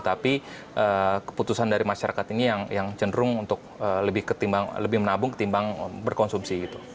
tapi keputusan dari masyarakat ini yang cenderung untuk lebih menabung ketimbang berkonsumsi